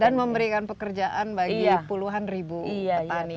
dan memberikan pekerjaan bagi puluhan ribu petani